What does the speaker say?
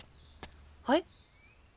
はい？